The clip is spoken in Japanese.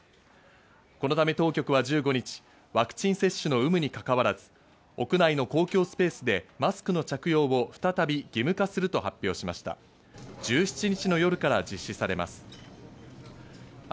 このため当局は１５日、ワクチン接種の有無にかかわらず、屋内の公共スペースでマスクの着用を再び義務化すると発表しました。